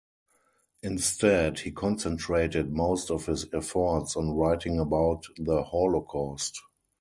Instead, he concentrated most of his efforts on writing about the Holocaust.